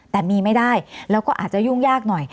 แต่มีไม่ได้แล้วก็อาจจะยุ่งยากหน่อย